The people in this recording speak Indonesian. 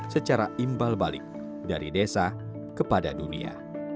secara imbal balik dari desa kepada dunia